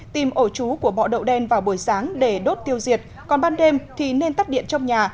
tìm ổ chú của bọ đậu đen vào buổi sáng để đốt tiêu diệt còn ban đêm thì nên tắt điện trong nhà